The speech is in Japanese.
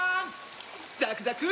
ザクザク！